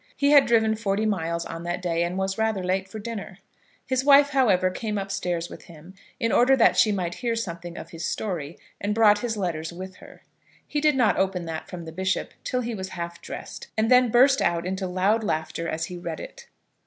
He had driven forty miles on that day, and was rather late for dinner. His wife, however, came upstairs with him in order that she might hear something of his story, and brought his letters with her. He did not open that from the bishop till he was half dressed, and then burst out into loud laughter as he read it.